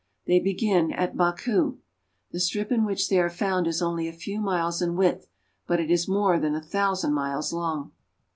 They begin at Baku. The strip in which they are found is only a few miles in width, but it is more than a thousand miles long.